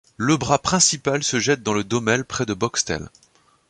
Le bras principal se jette dans le Dommel près de Boxtel.